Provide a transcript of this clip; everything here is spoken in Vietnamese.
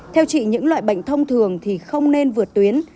theo chị những loại bệnh thông thường thì không nên vượt tuyến